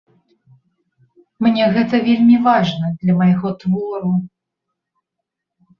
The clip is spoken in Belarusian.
Мне гэта вельмі важна для майго твору.